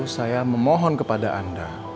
saya memohon kepada anda